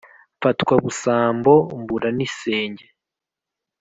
mfatwa busambo mbura n' isenge